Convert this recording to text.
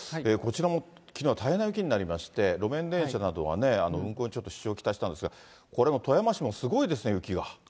こちらもきのうは大変な雪になりまして、路面電車などはね、運行にちょっと支障を来したんですが、これも富山市もすごいですね、雪が。